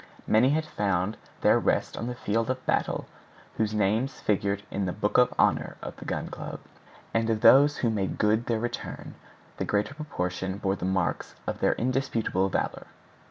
Many had found their rest on the field of battle whose names figured in the "Book of Honor" of the Gun Club; and of those who made good their return the greater proportion bore the marks of their indisputable valor.